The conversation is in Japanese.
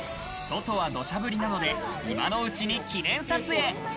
外は土砂降りなので今のうちに記念撮影。